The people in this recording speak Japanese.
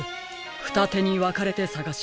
ふたてにわかれてさがしましょう。